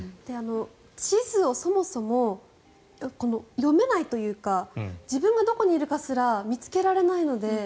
地図をそもそも読めないというか自分がどこにいるかすら見つけられないので。